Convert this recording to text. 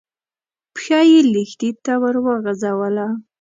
پښه يې لښتي ته ور وغځوله.